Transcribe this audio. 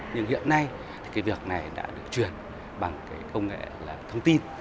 nhưng hiện nay thì cái việc này đã được chuyển bằng cái công nghệ là thông tin